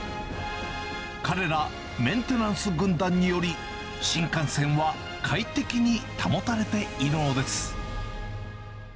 彼ら、メンテナンス軍団により、新幹線は快適に保たれているのです。